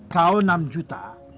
kau enam juta